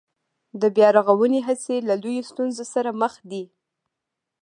د بيا رغونې هڅې له لویو ستونزو سره مخ دي